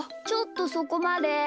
ちょっとそこまで。